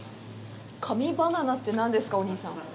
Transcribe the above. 神バナナって何ですか、お兄さん。